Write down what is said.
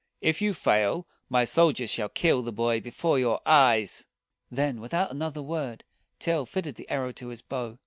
If you fail, my sol diers shall kill the boy before your eyes." Then, without another word, Tell fitted the arrow to his bow.